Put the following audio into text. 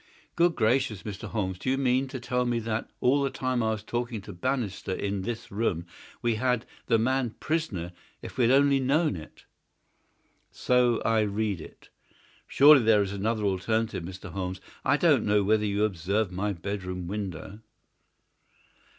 "Good gracious, Mr. Holmes, do you mean to tell me that all the time I was talking to Bannister in this room we had the man prisoner if we had only known it?" "So I read it." "Surely there is another alternative, Mr. Holmes. I don't know whether you observed my bedroom window?"